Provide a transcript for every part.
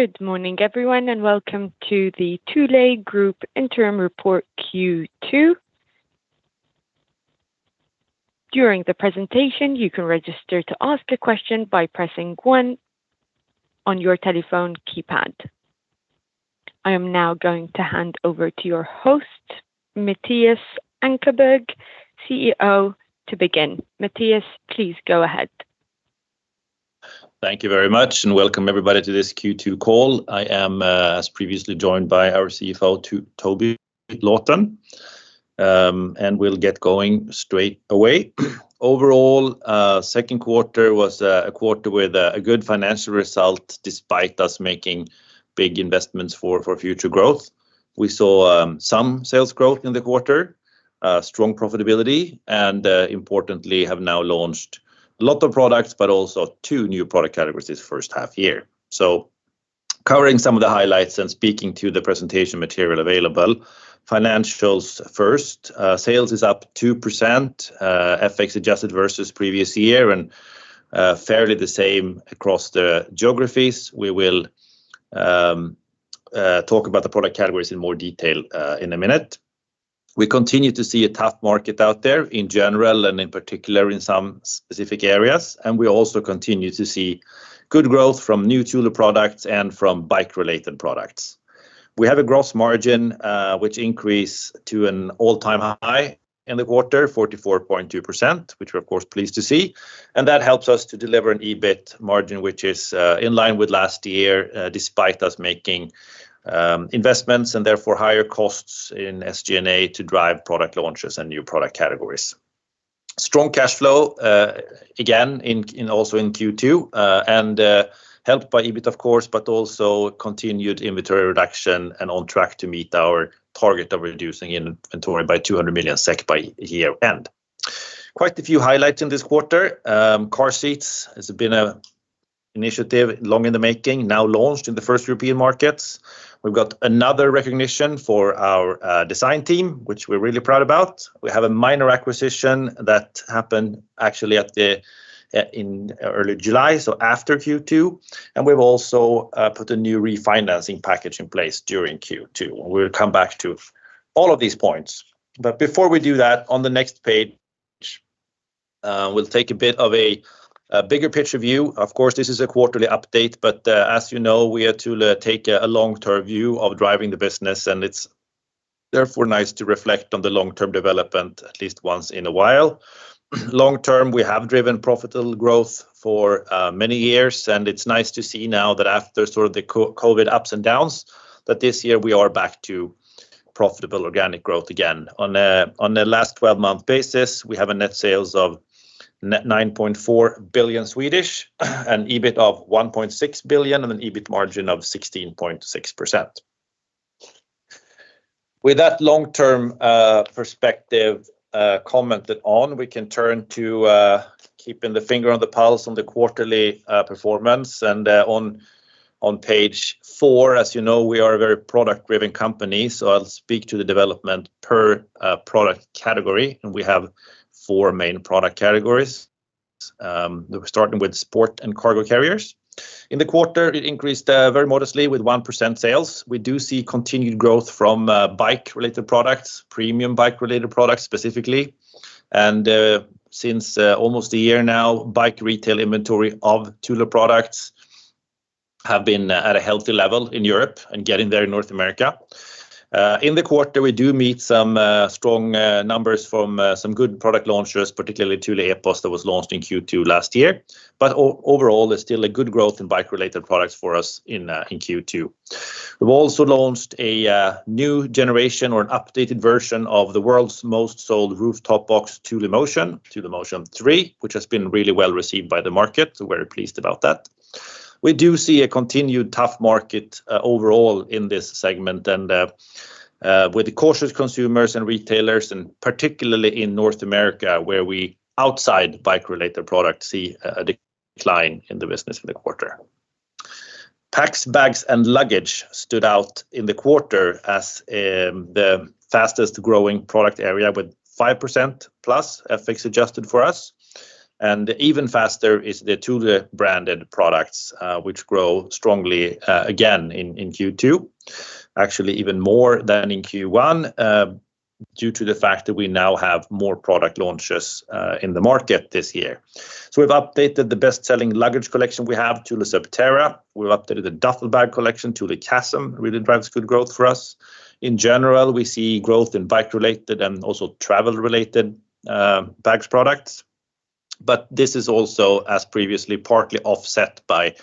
Good morning, everyone, and welcome to the Thule Group Interim Report Q2. During the presentation, you can register to ask a question by pressing one on your telephone keypad. I am now going to hand over to your host, Mattias Ankarberg, CEO, to begin. Mattias, please go ahead. Thank you very much, and welcome everybody to this Q2 call. I am, as previously joined by our CFO, Toby Lawton, and we'll get going straight away. Overall, second quarter was a quarter with a good financial result, despite us making big investments for future growth. We saw some sales growth in the quarter, strong profitability, and importantly, have now launched a lot of products, but also two new product categories this first half year. So covering some of the highlights and speaking to the presentation material available, financials first. Sales is up 2%, FX adjusted versus previous year, and fairly the same across the geographies. We will talk about the product categories in more detail in a minute. We continue to see a tough market out there in general, and in particular, in some specific areas, and we also continue to see good growth from new Thule products and from bike-related products. We have a gross margin, which increased to an all-time high in the quarter, 44.2%, which we're, of course, pleased to see, and that helps us to deliver an EBIT margin, which is in line with last year, despite us making investments and therefore higher costs in SG&A to drive product launches and new product categories. Strong cash flow again in Q2 also and helped by EBIT, of course, but also continued inventory reduction and on track to meet our target of reducing inventory by 200 million SEK by year-end. Quite a few highlights in this quarter. Car seats has been a initiative long in the making, now launched in the first European markets. We've got another recognition for our design team, which we're really proud about. We have a minor acquisition that happened actually at the in early July, so after Q2, and we've also put a new refinancing package in place during Q2, and we'll come back to all of these points. But before we do that, on the next page, we'll take a bit of a bigger picture view. Of course, this is a quarterly update, but as you know, we at Thule take a long-term view of driving the business, and it's therefore nice to reflect on the long-term development at least once in a while. Long term, we have driven profitable growth for many years, and it's nice to see now that after sort of the COVID ups and downs, that this year we are back to profitable organic growth again. On a last twelve-month basis, we have net sales of 9.4 billion, an EBIT of 1.6 billion and an EBIT margin of 16.6%. With that long-term perspective commented on, we can turn to keeping the finger on the pulse on the quarterly performance. On page four, as you know, we are a very product-driven company, so I'll speak to the development per product category, and we have four main product categories. We're starting with sport and cargo carriers. In the quarter, it increased very modestly with 1% sales. We do see continued growth from bike-related products, premium bike-related products, specifically. And since almost a year now, bike retail inventory of Thule products have been at a healthy level in Europe and getting there in North America. In the quarter, we do meet some strong numbers from some good product launches, particularly Thule Epos that was launched in Q2 last year. But overall, there's still a good growth in bike-related products for us in Q2. We've also launched a new generation or an updated version of the world's most sold rooftop box, Thule Motion, Thule Motion 3, which has been really well received by the market, so we're pleased about that. We do see a continued tough market, overall in this segment and, with the cautious consumers and retailers, and particularly in North America, where we, outside bike-related products, see a decline in the business for the quarter. Packs, bags, and luggage stood out in the quarter as, the fastest-growing product area, with 5% plus FX adjusted for us. Even faster is the Thule-branded products, which grow strongly, again in Q2, actually, even more than in Q1, due to the fact that we now have more product launches, in the market this year. We've updated the best-selling luggage collection we have, Thule Subterra. We've updated the duffel bag collection, Thule Chasm, really drives good growth for us. In general, we see growth in bike-related and also travel-related bags products, but this is also, as previously, partly offset by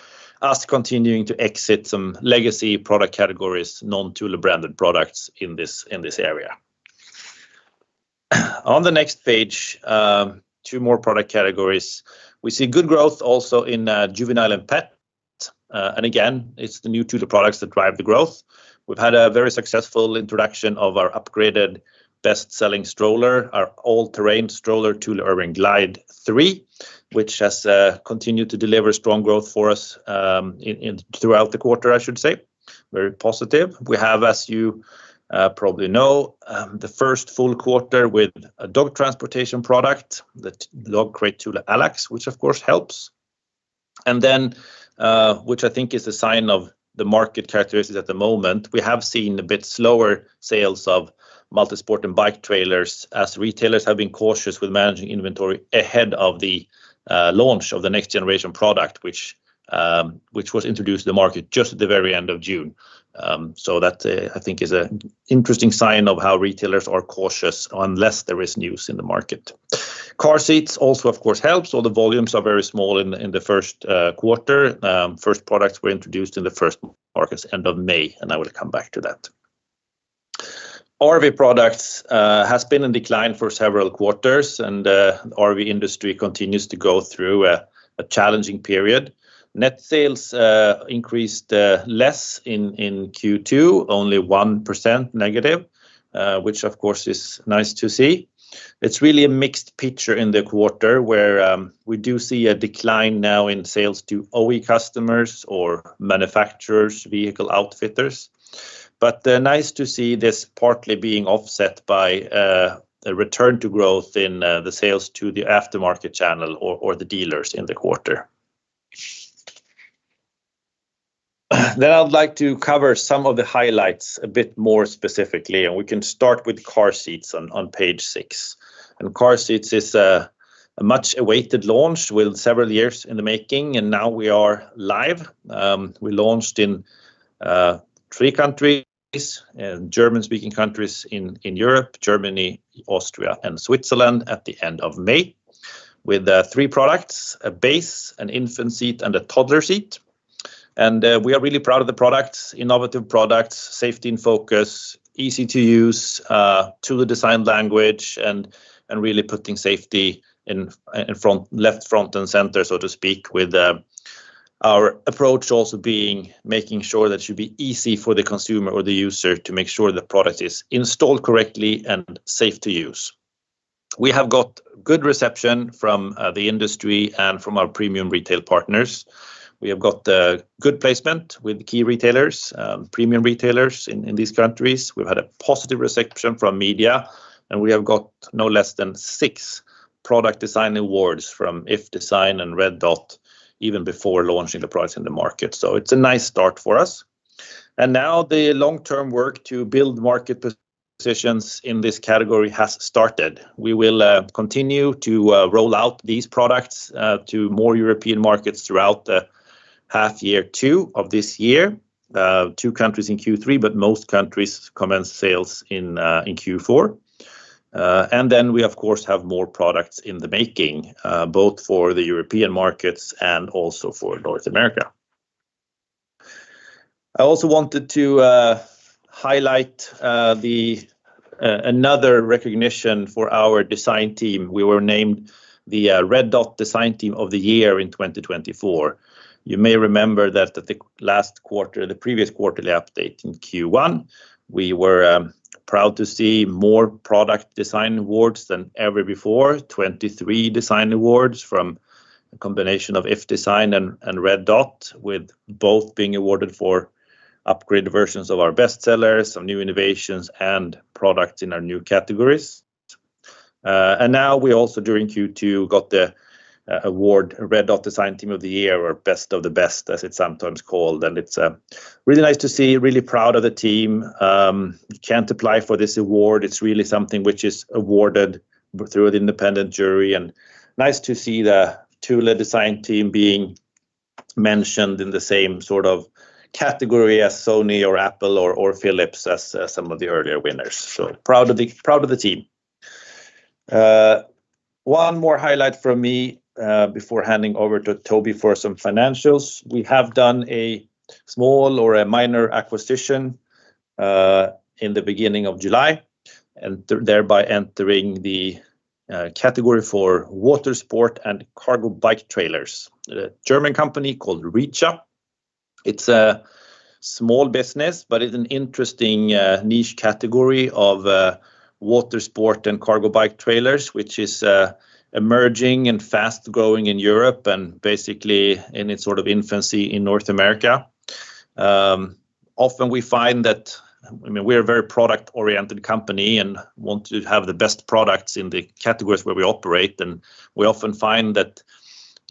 us continuing to exit some legacy product categories, non-Thule branded products in this area. On the next page, two more product categories. We see good growth also in juvenile and pet, and again, it's the new Thule products that drive the growth. We've had a very successful introduction of our upgraded best-selling stroller, our all-terrain stroller, Thule Urban Glide 3, which has continued to deliver strong growth for us throughout the quarter, I should say. Very positive. We have, as you probably know, the first full quarter with a dog transportation product, the dog crate Thule Allax, which of course helps. And then, which I think is a sign of the market characteristics at the moment, we have seen a bit slower sales of multisport and bike trailers as retailers have been cautious with managing inventory ahead of the launch of the next generation product, which was introduced to the market just at the very end of June. So that, I think is an interesting sign of how retailers are cautious unless there is news in the market. Car seats also, of course, helps, although the volumes are very small in the first quarter. First products were introduced in the first markets end of May, and I will come back to that. RV products has been in decline for several quarters, and RV industry continues to go through a challenging period. Net sales increased less in Q2, only 1% negative, which of course is nice to see. It's really a mixed picture in the quarter, where we do see a decline now in sales to OE customers or manufacturers, vehicle outfitters. But nice to see this partly being offset by a return to growth in the sales to the aftermarket channel or the dealers in the quarter. Then I'd like to cover some of the highlights a bit more specifically, and we can start with car seats on page 6. And car seats is a much awaited launch with several years in the making, and now we are live. We launched in three countries, German-speaking countries in Europe, Germany, Austria, and Switzerland, at the end of May, with three products: a base, an infant seat, and a toddler seat. We are really proud of the products, innovative products, safety in focus, easy to use, Thule design language, and really putting safety in front, left, front, and center, so to speak, with our approach also being making sure that it should be easy for the consumer or the user to make sure the product is installed correctly and safe to use. We have got good reception from the industry and from our premium retail partners. We have got good placement with key retailers, premium retailers in these countries. We've had a positive reception from media, and we have got no less than six product design awards from iF Design and Red Dot, even before launching the product in the market. So it's a nice start for us. And now the long-term work to build market positions in this category has started. We will continue to roll out these products to more European markets throughout the half year two of this year. Two countries in Q3, but most countries commence sales in Q4. And then we, of course, have more products in the making, both for the European markets and also for North America. I also wanted to highlight the another recognition for our design team. We were named the Red Dot Design Team of the Year in 2024. You may remember that at the last quarter, the previous quarterly update in Q1, we were proud to see more product design awards than ever before. 23 design awards from a combination of iF Design and Red Dot, with both being awarded for upgraded versions of our bestsellers, some new innovations, and products in our new categories. And now we also, during Q2, got the award, Red Dot Design Team of the Year or Best of the Best, as it's sometimes called. And it's really nice to see, really proud of the team. You can't apply for this award. It's really something which is awarded through an independent jury, and nice to see the Thule design team being mentioned in the same sort of category as Sony or Apple or Philips as some of the earlier winners. So proud of the, proud of the team. One more highlight from me, before handing over to Toby for some financials. We have done a small or a minor acquisition, in the beginning of July, and thereby entering the, category for water sport and cargo bike trailers. A German company called Reacha. It's a small business, but it's an interesting, niche category of, water sport and cargo bike trailers, which is, emerging and fast-growing in Europe and basically in its sort of infancy in North America. Often we find that, I mean, we are a very product-oriented company and want to have the best products in the categories where we operate, and we often find that,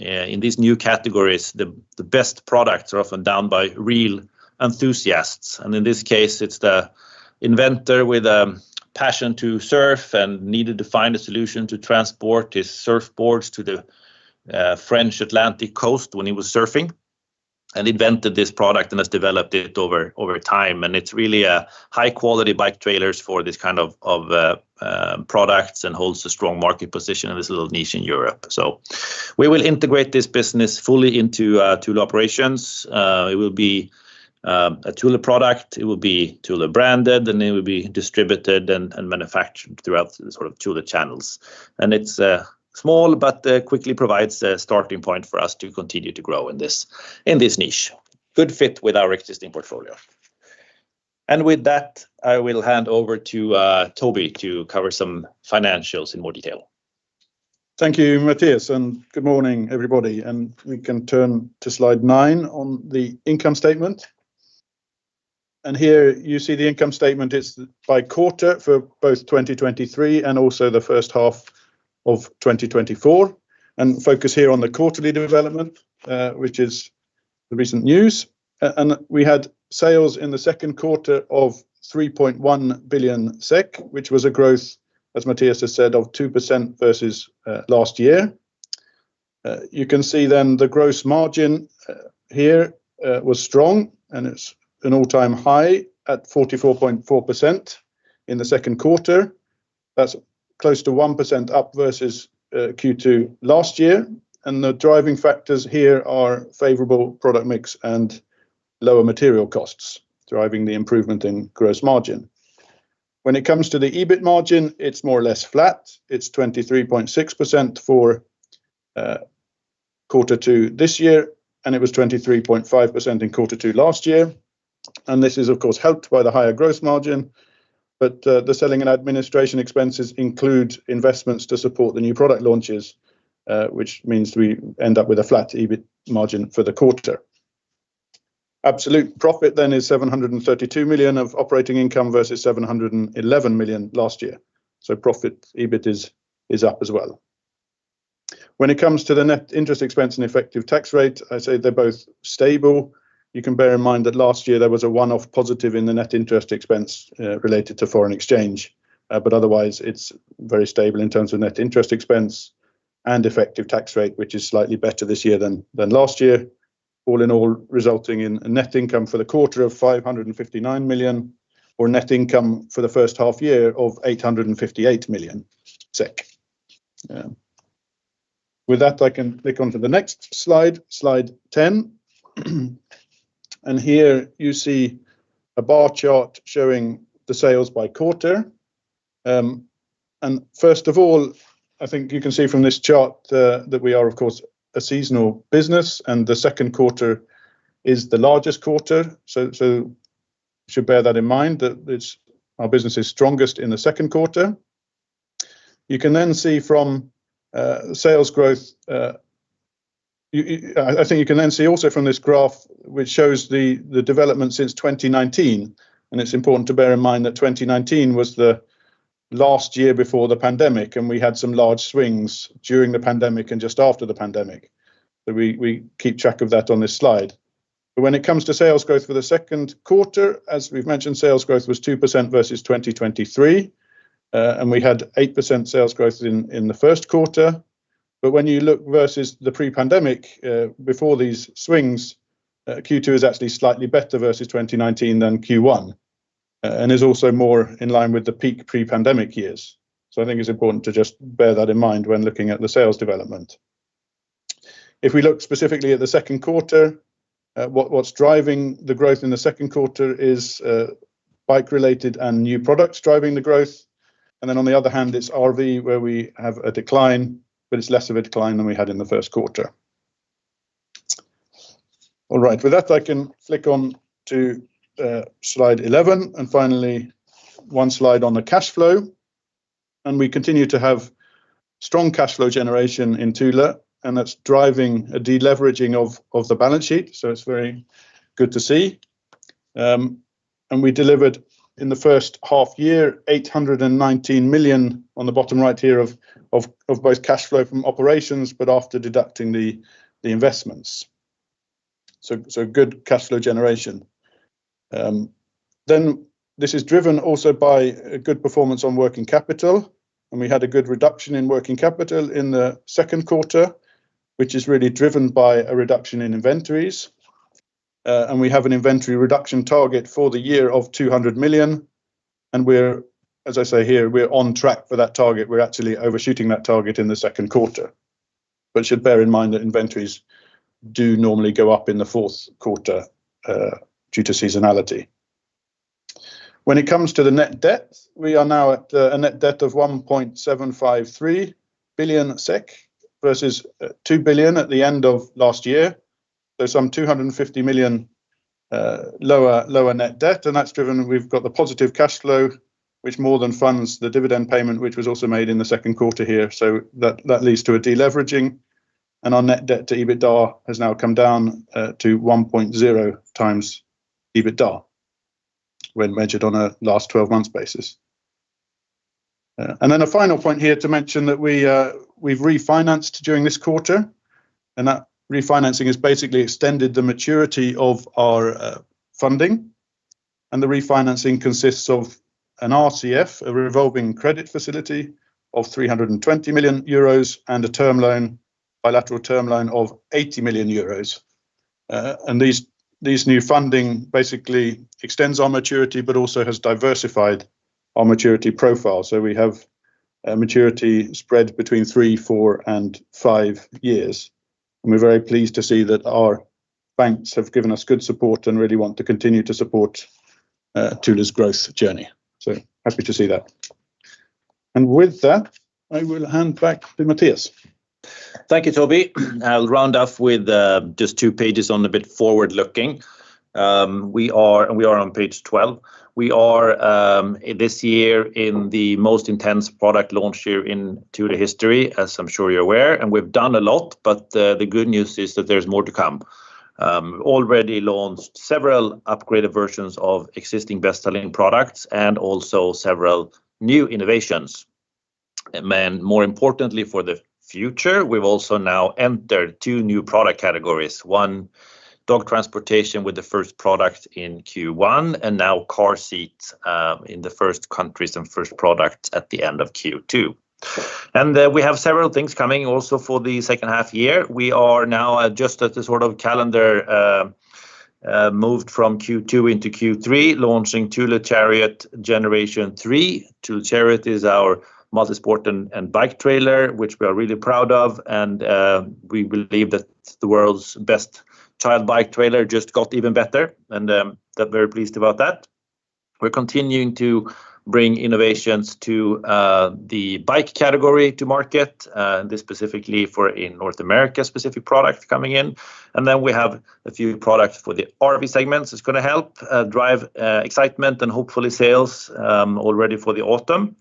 in these new categories, the, the best products are often done by real enthusiasts. In this case, it's the inventor with a passion to surf and needed to find a solution to transport his surfboards to the French Atlantic Coast when he was surfing, and invented this product and has developed it over time. It's really a high-quality bike trailers for this kind of products and holds a strong market position in this little niche in Europe. We will integrate this business fully into Thule operations. It will be a Thule product, it will be Thule branded, and it will be distributed and manufactured throughout the sort of Thule channels. It's small, but quickly provides a starting point for us to continue to grow in this niche. Good fit with our existing portfolio. With that, I will hand over to Toby to cover some financials in more detail.... Thank you, Mattias, and good morning, everybody. We can turn to slide nine on the income statement. Here you see the income statement is by quarter for both 2023 and also the first half of 2024, and focus here on the quarterly development, which is the recent news. And we had sales in the second quarter of 3.1 billion SEK, which was a growth, as Mattias has said, of 2% versus last year. You can see then the gross margin here was strong, and it's an all-time high at 44.4% in the second quarter. That's close to 1% up versus Q2 last year, and the driving factors here are favorable product mix and lower material costs, driving the improvement in gross margin. When it comes to the EBIT margin, it's more or less flat. It's 23.6% for quarter two this year, and it was 23.5% in quarter two last year. This is, of course, helped by the higher growth margin, but the selling and administration expenses include investments to support the new product launches, which means we end up with a flat EBIT margin for the quarter. Absolute profit then is 732 million of operating income versus 711 million last year. So profit EBIT is up as well. When it comes to the net interest expense and effective tax rate, I say they're both stable. You can bear in mind that last year there was a one-off positive in the net interest expense related to foreign exchange. But otherwise, it's very stable in terms of net interest expense and effective tax rate, which is slightly better this year than, than last year. All in all, resulting in a net income for the quarter of 559 million, or net income for the first half year of 858 million SEK. Yeah. With that, I can click on to the next slide, slide 10. And here you see a bar chart showing the sales by quarter. First of all, I think you can see from this chart that we are, of course, a seasonal business, and the second quarter is the largest quarter. So, so should bear that in mind, that it's our business is strongest in the second quarter. You can then see from sales growth... I think you can then see also from this graph, which shows the development since 2019, and it's important to bear in mind that 2019 was the last year before the pandemic, and we had some large swings during the pandemic and just after the pandemic. So we keep track of that on this slide. But when it comes to sales growth for the second quarter, as we've mentioned, sales growth was 2% versus 2023, and we had 8% sales growth in the first quarter. But when you look versus the pre-pandemic, before these swings, Q2 is actually slightly better versus 2019 than Q1, and is also more in line with the peak pre-pandemic years. So I think it's important to just bear that in mind when looking at the sales development. If we look specifically at the second quarter, what, what's driving the growth in the second quarter is bike-related and new products driving the growth. And then, on the other hand, it's RV, where we have a decline, but it's less of a decline than we had in the first quarter. All right. With that, I can click on to slide 11, and finally, one slide on the cash flow. We continue to have strong cash flow generation in Thule, and that's driving a deleveraging of the balance sheet, so it's very good to see. We delivered in the first half year, 819 million on the bottom right here of both cash flow from operations, but after deducting the investments. So good cash flow generation. Then this is driven also by a good performance on working capital, and we had a good reduction in working capital in the second quarter, which is really driven by a reduction in inventories. And we have an inventory reduction target for the year of 200 million, and we're, as I say, here, we're on track for that target. We're actually overshooting that target in the second quarter. But you should bear in mind that inventories do normally go up in the fourth quarter, due to seasonality. When it comes to the net debt, we are now at a net debt of 1.753 billion SEK versus, 2 billion at the end of last year. So some 250 million, lower, lower net debt, and that's driven... We've got the positive cash flow, which more than funds the dividend payment, which was also made in the second quarter here, so that, that leads to a deleveraging. Our net debt to EBITDA has now come down to 1.0 times EBITDA, when measured on a last twelve months basis. And then a final point here to mention that we, we've refinanced during this quarter, and that refinancing has basically extended the maturity of our funding. The refinancing consists of an RCF, a revolving credit facility of 320 million euros, and a term loan, bilateral term loan of 80 million euros. And these, these new funding basically extends our maturity, but also has diversified our maturity profile. So we have a maturity spread between 3, 4, and 5 years, and we're very pleased to see that our banks have given us good support and really want to continue to support Thule's growth journey. So happy to see that. And with that, I will hand back to Mattias.... Thank you, Toby. I'll round off with just two pages on a bit forward-looking. We are on page 12. We are this year in the most intense product launch year in Thule history, as I'm sure you're aware, and we've done a lot, but the good news is that there's more to come. Already launched several upgraded versions of existing best-selling products and also several new innovations. And then more importantly for the future, we've also now entered two new product categories. One, dog transportation, with the first product in Q1, and now car seats in the first countries and first products at the end of Q2. And we have several things coming also for the second half year. We are now just at the sort of calendar moved from Q2 into Q3, launching Thule Chariot Generation Three. Thule Chariot is our multi-sport and bike trailer, which we are really proud of. We believe that the world's best child bike trailer just got even better, and we're very pleased about that. We're continuing to bring innovations to the bike category to market, this specifically for in North America, specific product coming in. And then we have a few products for the RV segments. It's gonna help drive excitement and hopefully sales, already for the autumn.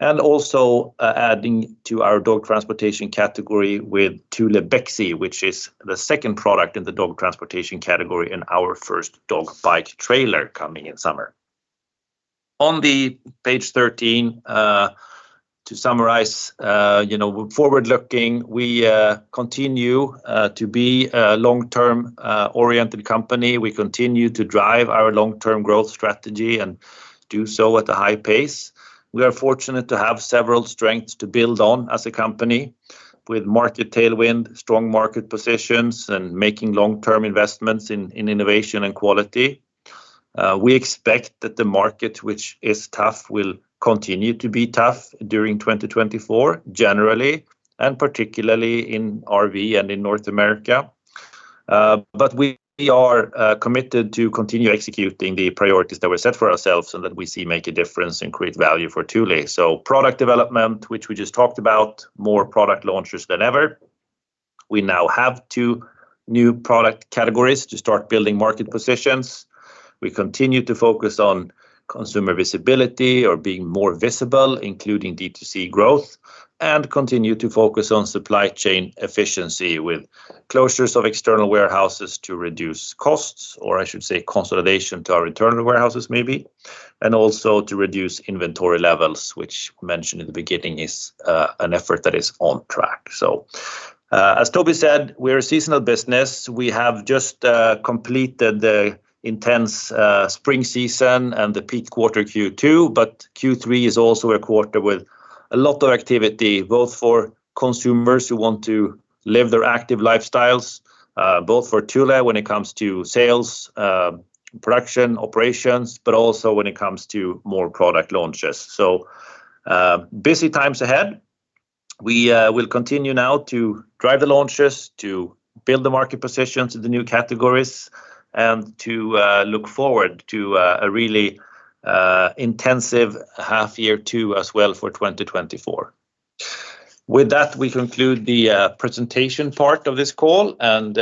And also, adding to our dog transportation category with Thule Bexey, which is the second product in the dog transportation category and our first dog bike trailer coming in summer. On page 13, to summarize, you know, forward-looking, we continue to be a long-term oriented company. We continue to drive our long-term growth strategy and do so at a high pace. We are fortunate to have several strengths to build on as a company with market tailwind, strong market positions, and making long-term investments in innovation and quality. We expect that the market, which is tough, will continue to be tough during 2024, generally, and particularly in RV and in North America. But we are committed to continue executing the priorities that we set for ourselves and that we see make a difference and create value for Thule. So product development, which we just talked about, more product launches than ever. We now have two new product categories to start building market positions. We continue to focus on consumer visibility or being more visible, including D2C growth, and continue to focus on supply chain efficiency with closures of external warehouses to reduce costs, or I should say, consolidation to our internal warehouses, maybe, and also to reduce inventory levels, which mentioned in the beginning is, an effort that is on track. So, as Toby said, we're a seasonal business. We have just completed the intense spring season and the peak quarter Q2, but Q3 is also a quarter with a lot of activity, both for consumers who want to live their active lifestyles, both for Thule when it comes to sales, production, operations, but also when it comes to more product launches. So, busy times ahead. We will continue now to drive the launches, to build the market positions in the new categories and to look forward to a really intensive half year two as well for 2024. With that, we conclude the presentation part of this call and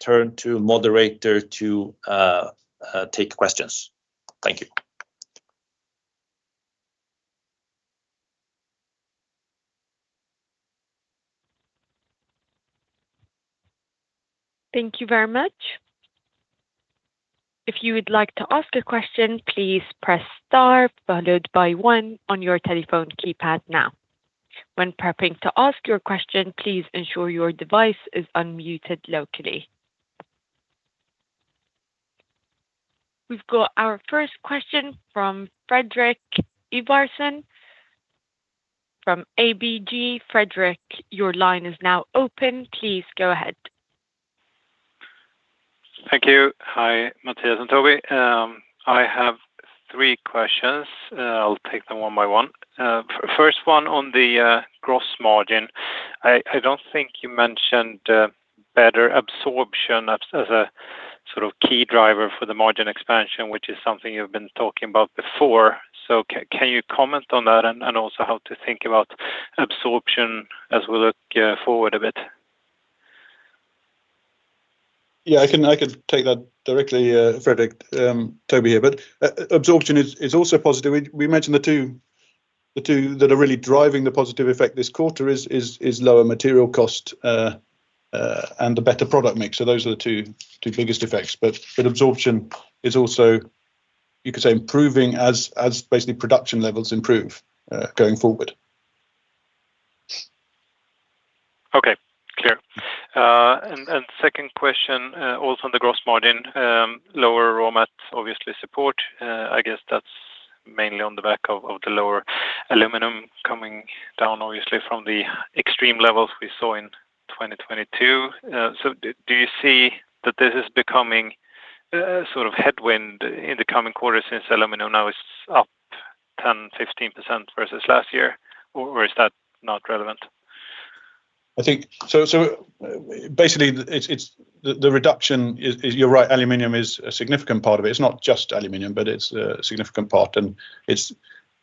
turn to moderator to take questions. Thank you. Thank you very much. If you would like to ask a question, please press star followed by one on your telephone keypad now. When prepping to ask your question, please ensure your device is unmuted locally. We've got our first question from Fredrik Ivarsson from ABG. Fredrik, your line is now open. Please go ahead. Thank you. Hi, Mattias and Toby. I have three questions. I'll take them one by one. First one on the gross margin. I don't think you mentioned better absorption as a sort of key driver for the margin expansion, which is something you've been talking about before. So can you comment on that and also how to think about absorption as we look forward a bit? Yeah, I can, I can take that directly, Frederick, Toby here. But absorption is also positive. We mentioned the two, the two that are really driving the positive effect this quarter is lower material cost and a better product mix. So those are the two, two biggest effects. But absorption is also, you could say, improving as basically production levels improve going forward. Okay, clear. And second question, also on the gross margin, lower raw mats obviously support. I guess that's mainly on the back of the lower aluminum coming down, obviously from the extreme levels we saw in 2022. So do you see that this is becoming sort of headwind in the coming quarters since aluminum now is up 10%-15% versus last year, or is that not relevant? I think. So basically, it's the reduction is, you're right, aluminum is a significant part of it. It's not just aluminum, but it's a significant part, and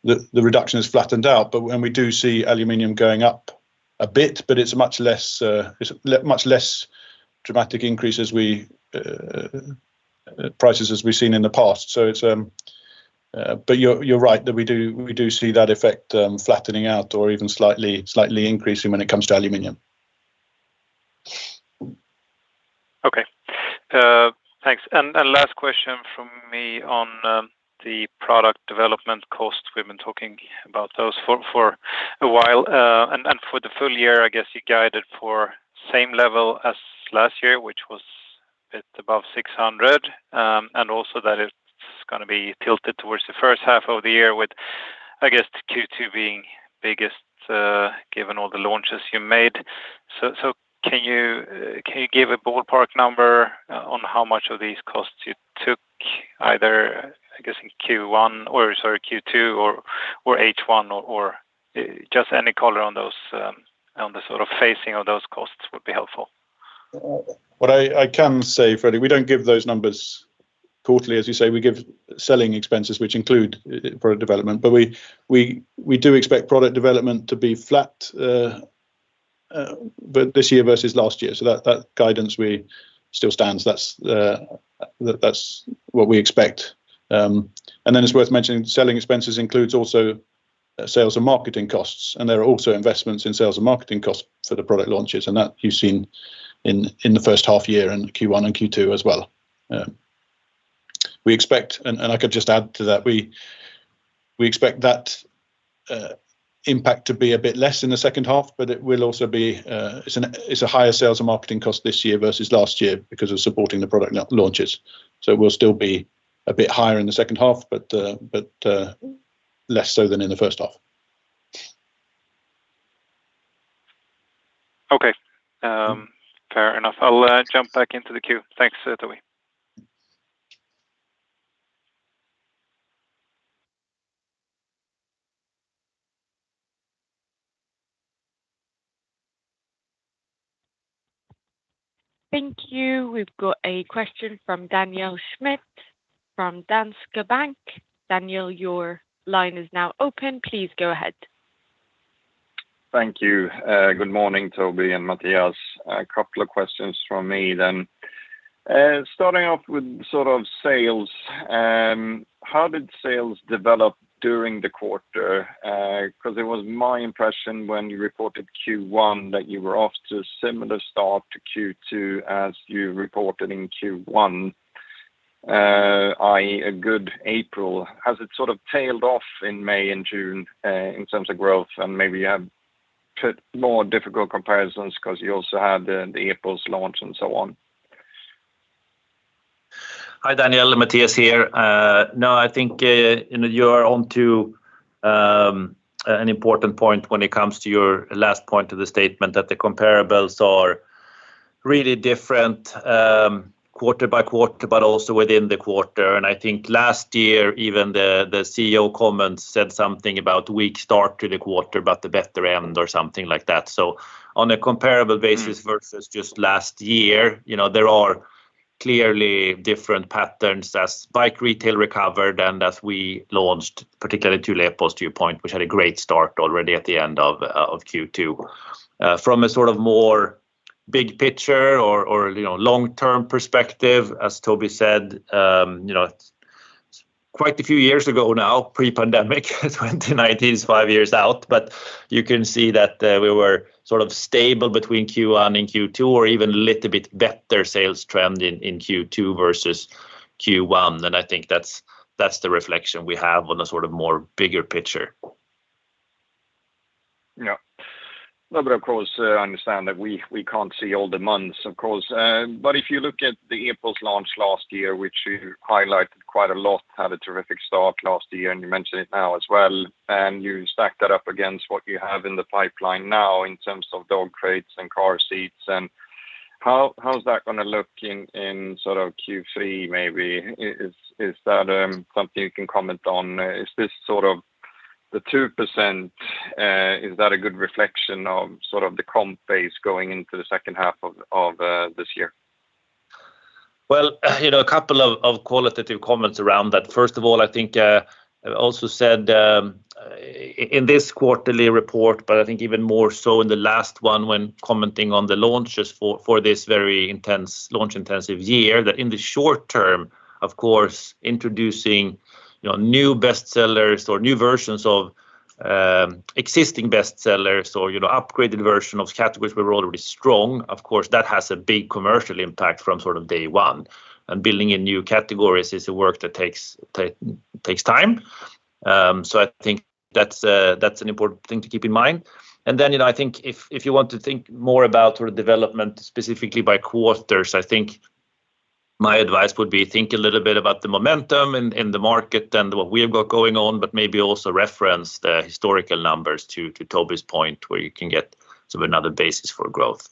the reduction has flattened out, but when we do see aluminum going up a bit, but it's much less dramatic increase as we prices as we've seen in the past. So it's, but you're right that we do see that effect flattening out or even slightly increasing when it comes to aluminum. Okay. Thanks. Last question from me on the product development costs. We've been talking about those for a while. For the full year, I guess you guided for same level as last year, which was a bit above 600, and also that it's gonna be tilted towards the first half of the year with, I guess, the Q2 being biggest, given all the launches you made. So, can you give a ballpark number on how much of these costs you took, either, I guess, in Q1 or, sorry, Q2, or H1, or just any color on those, on the sort of phasing of those costs would be helpful. What I can say, Freddy, we don't give those numbers quarterly, as you say. We give selling expenses, which include product development. But we do expect product development to be flat but this year versus last year, so that guidance still stands. That's what we expect. And then it's worth mentioning, selling expenses includes also sales and marketing costs, and there are also investments in sales and marketing costs for the product launches, and that you've seen in the first half year, in Q1 and Q2 as well. We expect... And I could just add to that, we expect that impact to be a bit less in the second half, but it will also be a higher sales and marketing cost this year versus last year because of supporting the product launches. So it will still be a bit higher in the second half, but less so than in the first half. Okay. Fair enough. I'll jump back into the queue. Thanks, Toby. Thank you. We've got a question from Daniel Schmidt from Danske Bank. Daniel, your line is now open. Please go ahead. Thank you. Good morning, Toby and Mattias. A couple of questions from me then. Starting off with sort of sales, how did sales develop during the quarter? 'Cause it was my impression when you reported Q1, that you were off to a similar start to Q2, as you reported in Q1, i.e., a good April. Has it sort of tailed off in May and June, in terms of growth? And maybe you have put more difficult comparisons 'cause you also had the April's launch and so on. Hi, Daniel. Mattias here. No, I think, you know, you're on to an important point when it comes to your last point of the statement, that the comparables are really different quarter by quarter, but also within the quarter. And I think last year, even the CEO comments said something about weak start to the quarter, but the better end or something like that. So on a comparable basis-... versus just last year, you know, there are clearly different patterns as bike retail recovered and as we launched, particularly the Allax to your point, which had a great start already at the end of Q2. From a sort of more big picture, you know, long-term perspective, as Toby said, you know, quite a few years ago now, pre-pandemic, 2019 is five years out, but you can see that we were sort of stable between Q1 and Q2, or even a little bit better sales trend in Q2 versus Q1. And I think that's the reflection we have on a sort of more bigger picture. Yeah. No, but of course, I understand that we, we can't see all the months, of course. But if you look at Epos launch last year, which you highlighted quite a lot, had a terrific start last year, and you mentioned it now as well, and you stack that up against what you have in the pipeline now in terms of dog crates and car seats, and how, how is that gonna look in, in, sort of, Q3, maybe? Is, is, is that something you can comment on? Is this, sort of, the 2%, is that a good reflection of, sort of, the comp base going into the second half of this year? Well, you know, a couple of qualitative comments around that. First of all, I think, I've also said, in this quarterly report, but I think even more so in the last one, when commenting on the launches for this very intensive year, that in the short term, of course, introducing, you know, new bestsellers or new versions of existing bestsellers or, you know, upgraded version of categories we're already strong, of course, that has a big commercial impact from sort of day one. And building in new categories is a work that takes time. So I think that's an important thing to keep in mind. And then, you know, I think if you want to think more about our development, specifically by quarters, I think my advice would be think a little bit about the momentum in the market and what we've got going on, but maybe also reference the historical numbers to Toby's point, where you can get sort of another basis for growth.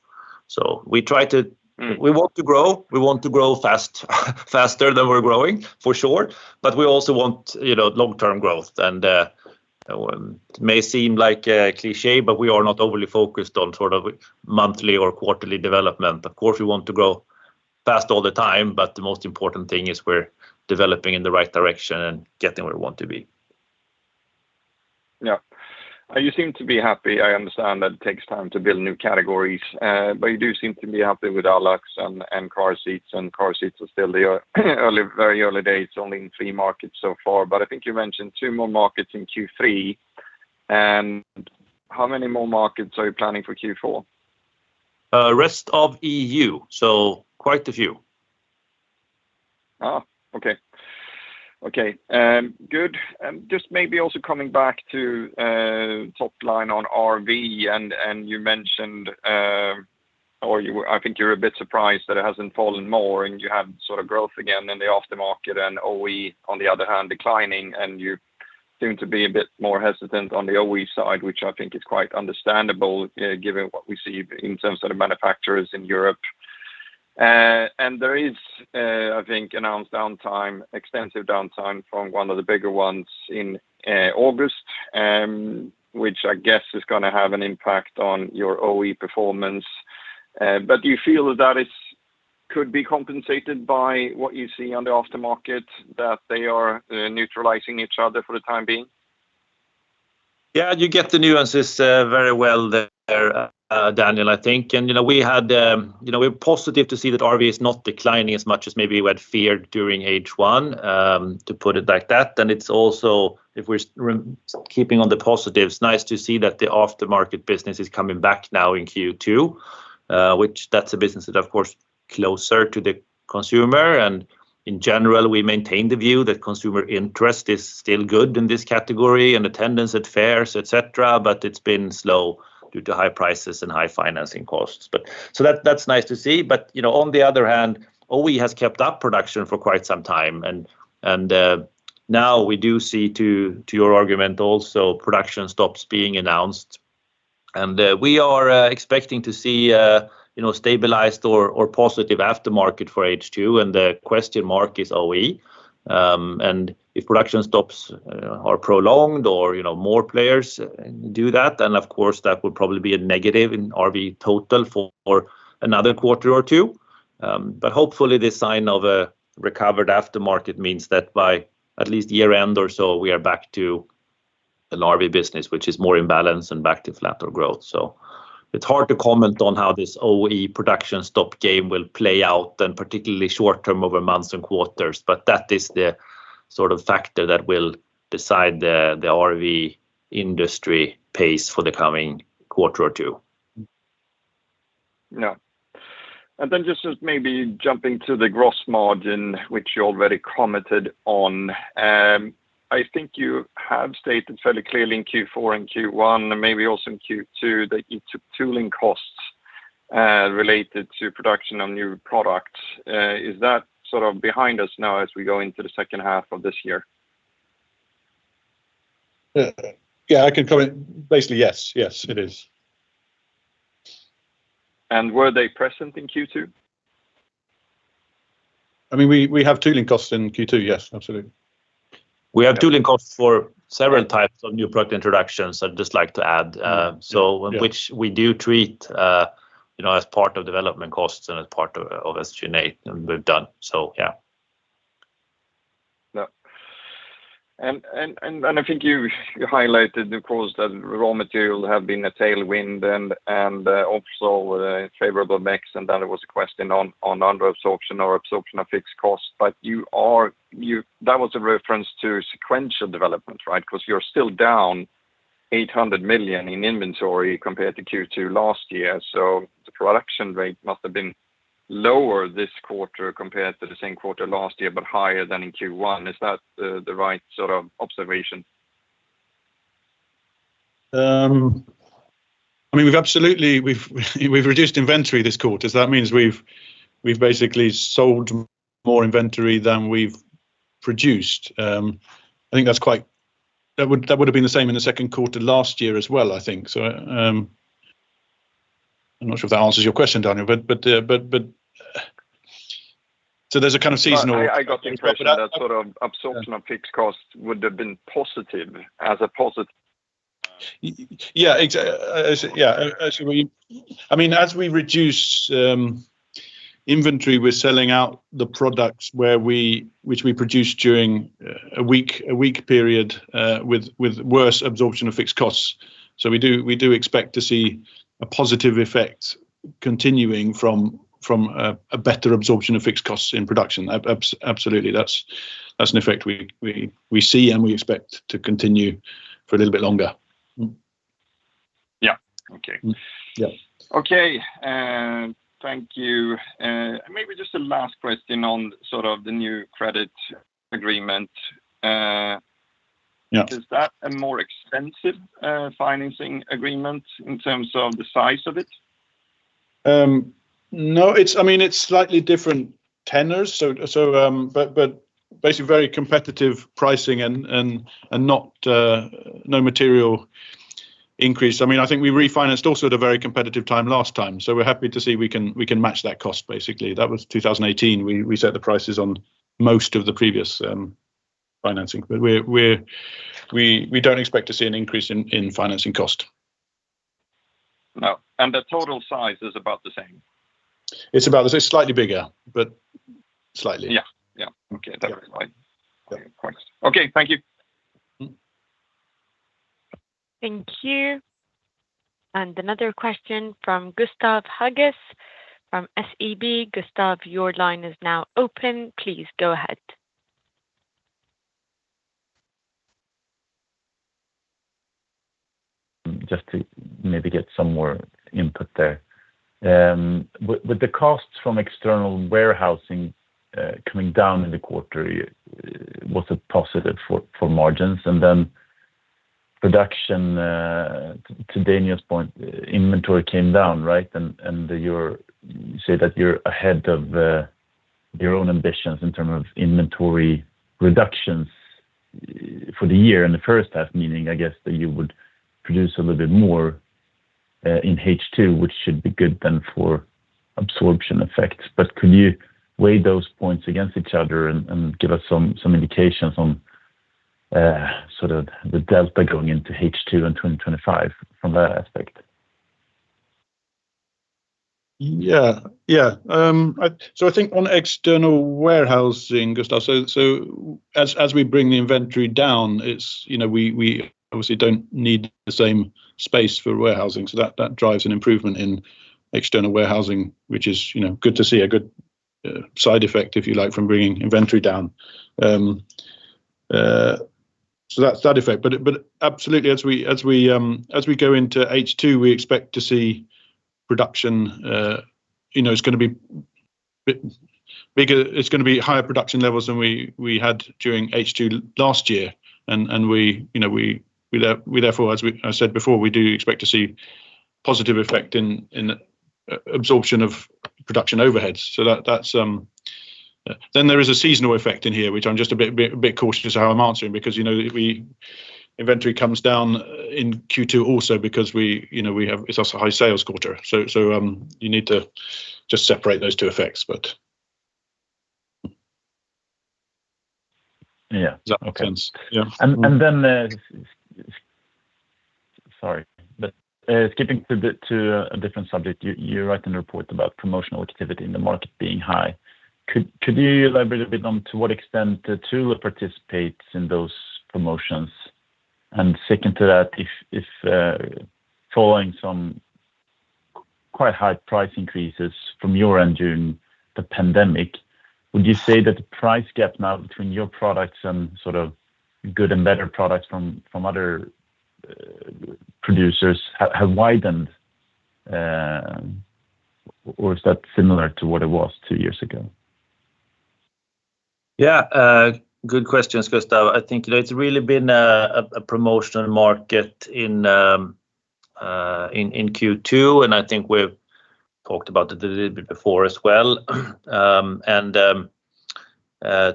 So we try to-... we want to grow, we want to grow fast, faster than we're growing, for sure, but we also want, you know, long-term growth. And, it may seem like a cliché, but we are not overly focused on sort of monthly or quarterly development. Of course, we want to grow fast all the time, but the most important thing is we're developing in the right direction and getting where we want to be. Yeah. You seem to be happy. I understand that it takes time to build new categories, but you do seem to be happy with our locks and, and car seats, and car seats are still the early, very early days, only in three markets so far. But I think you mentioned two more markets in Q3. And how many more markets are you planning for Q4? Rest of EU, so quite a few. Ah, okay. Okay, good. Just maybe also coming back to, top line on RV, and, and you mentioned, or you were—I think you're a bit surprised that it hasn't fallen more, and you have sort of growth again in the aftermarket and OE, on the other hand, declining, and you seem to be a bit more hesitant on the OE side, which I think is quite understandable, given what we see in terms of the manufacturers in Europe. And there is, I think, announced downtime, extensive downtime from one of the bigger ones in, August, which I guess is gonna have an impact on your OE performance. But do you feel that is could be compensated by what you see on the aftermarket, that they are, neutralizing each other for the time being? Yeah, you get the nuances very well there, Daniel, I think. And, you know, we had, you know, we're positive to see that RV is not declining as much as maybe we had feared during H1, to put it like that. Then it's also, if we're keeping on the positives, nice to see that the aftermarket business is coming back now in Q2, which that's a business that, of course, closer to the consumer. And in general, we maintain the view that consumer interest is still good in this category and attendance at fairs, et cetera, but it's been slow due to high prices and high financing costs. But, so that's nice to see. But, you know, on the other hand, OE has kept up production for quite some time, and now we do see, to your argument also, production stops being announced. And we are expecting to see, you know, stabilized or positive aftermarket for H2, and the question mark is OE. And if production stops are prolonged or, you know, more players do that, then, of course, that would probably be a negative in RV total for another quarter or two. But hopefully, the sign of a recovered aftermarket means that by at least year end or so, we are back to an RV business, which is more in balance and back to flatter growth. It's hard to comment on how this OE production stop game will play out, and particularly short term over months and quarters, but that is the sort of factor that will decide the RV industry pace for the coming quarter or two. Yeah. And then just, just maybe jumping to the gross margin, which you already commented on. I think you have stated fairly clearly in Q4 and Q1, and maybe also in Q2, that you took tooling costs, related to production on new products. Is that sort of behind us now as we go into the second half of this year? Yeah, I can comment. Basically, yes, yes, it is. Were they present in Q2? I mean, we have tooling costs in Q2, yes, absolutely. We have tooling costs for several types of new product introductions, I'd just like to add. Yeah... which we do treat, you know, as part of development costs and as part of SG&A, and we've done. So, yeah. Yeah. And I think you highlighted, of course, that raw material have been a tailwind and also favorable mix, and that there was a question on under absorption or absorption of fixed costs. But you... That was a reference to sequential development, right? 'Cause you're still down 800 million in inventory compared to Q2 last year, so the production rate must have been lower this quarter compared to the same quarter last year, but higher than in Q1. Is that the right sort of observation? I mean, we've absolutely reduced inventory this quarter. So that means we've basically sold more inventory than we've produced. I think that's quite... That would, that would've been the same in the second quarter last year as well, I think so. I'm not sure if that answers your question, Daniel, but so there's a kind of seasonal- I got the impression that sort of... Yeah... absorption of fixed costs would have been positive as opposed to- Yeah, exactly, as we—I mean, as we reduce inventory, we're selling out the products which we produced during a weak period with worse absorption of fixed costs. So we do expect to see a positive effect continuing from a better absorption of fixed costs in production. Absolutely, that's an effect we see, and we expect to continue for a little bit longer. Yeah. Okay. Yeah. Okay, thank you. Maybe just a last question on sort of the new credit agreement. Yeah. Is that a more extensive, financing agreement in terms of the size of it? No, it's, I mean, it's slightly different tenors, so, but basically very competitive pricing and no material increase. I mean, I think we refinanced also at a very competitive time last time, so we're happy to see we can match that cost, basically. That was 2018, we set the prices on most of the previous financing. But we don't expect to see an increase in financing cost.... No, and the total size is about the same? It's about the same, slightly bigger, but slightly. Yeah. Yeah. Okay, that's right. Great. Okay, thank you. Thank you. Another question from Gustav Hageus from SEB. Gustav, your line is now open. Please go ahead. Just to maybe get some more input there. With, with the costs from external warehousing, coming down in the quarter, was a positive for, for margins, and then production, to, to Daniel's point, inventory came down, right? And, and you're-- you say that you're ahead of, your own ambitions in terms of inventory reductions for the year in the first half, meaning, I guess, that you would produce a little bit more, in H2, which should be good then for absorption effects. But could you weigh those points against each other and, and give us some, some indications on, sort of the delta going into H2 in 2025 from that aspect? Yeah. Yeah. So I think on external warehousing, Gustav, so as we bring the inventory down, it's, you know, we obviously don't need the same space for warehousing, so that drives an improvement in external warehousing, which is, you know, good to see, a good side effect, if you like, from bringing inventory down. So that's that effect. But absolutely, as we go into H2, we expect to see production, you know, it's gonna be bit bigger. It's gonna be higher production levels than we had during H2 last year. And we, you know, we therefore, as I said before, we do expect to see positive effect in absorption of production overheads. So that's... Then there is a seasonal effect in here, which I'm just a bit cautious how I'm answering, because, you know, inventory comes down in Q2 also because we, you know, we have... It's also a high sales quarter. So, you need to just separate those two effects, but- Yeah. Does that make sense? Yeah. Sorry. But skipping to a different subject, you write in a report about promotional activity in the market being high. Could you elaborate a bit on to what extent Thule participates in those promotions? And second to that, if following some quite high price increases from your end during the pandemic, would you say that the price gap now between your products and sort of good and better products from other producers have widened, or is that similar to what it was two years ago? Yeah, good questions, Gustav. I think, you know, it's really been a promotional market in Q2, and I think we've talked about it a little bit before as well.